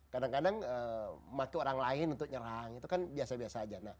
kadang kadang mati orang lain untuk nyerang itu kan biasa biasa aja